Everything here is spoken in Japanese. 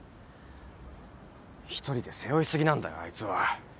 一人で背負い過ぎなんだよあいつは。